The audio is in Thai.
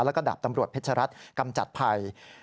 แล้วก็ดาบตำรวจเพชรัตนกำจัดภัย